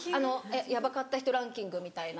ヤバかった人ランキングみたいな。